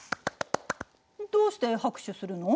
どうして拍手するの？